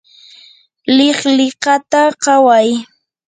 liqliqata qaway